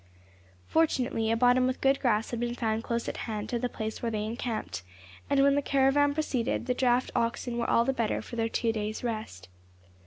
Fortunately a bottom with good grass had been found close at hand to the place where they encamped, and when the caravan proceeded the draft oxen were all the better for their two days' rest.